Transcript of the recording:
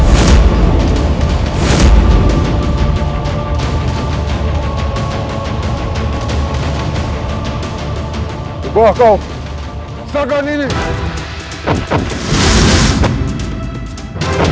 kau empat puluh sembilan tahun baru tenangkan endangan mereka